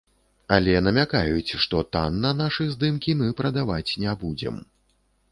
Але намякаюць, што танна нашы здымкі мы прадаваць не будзем.